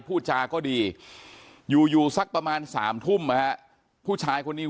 พูดจาก็ดีอยู่อยู่สักประมาณ๓ทุ่มผู้ชายคนนี้